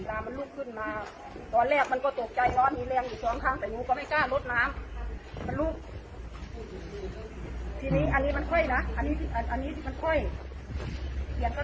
มันก็ขึ้นแต่มันขึ้นอยู่